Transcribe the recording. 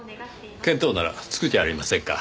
見当ならつくじゃありませんか。